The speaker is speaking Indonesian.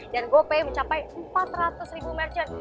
dan gopay mencapai empat ratus merchant